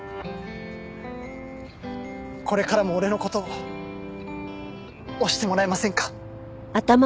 これからも俺の事を推してもらえませんか？